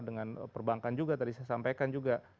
dengan perbankan juga tadi saya sampaikan juga